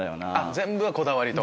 全部がこだわりと。